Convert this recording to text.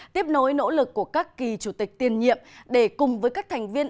tiếp nối nỗ lực của các kỳ chủ tịch tiền nhiệm để cùng với các thành viên